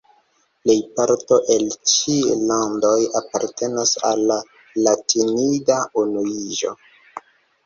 Plejparto el ĉi landoj apartenas al la Latinida Unuiĝo.